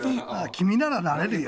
君ならなれるよ。